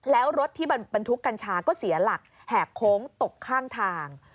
แล้วรถที่บรรทุกกัญชาก็เสียหลักแหกโค้งตกข้างทาง